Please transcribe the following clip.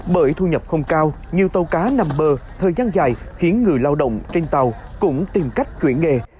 bởi thu nhập không cao nhiều tàu cá nằm bờ thời gian dài khiến người lao động trên tàu cũng tìm cách chuyển nghề